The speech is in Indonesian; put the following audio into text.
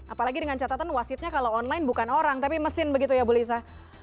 apalagi dengan catatan wasitnya kalau online bukan orang tapi mesin begitu ya bu lisa